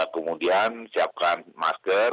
kemudian siapkan masker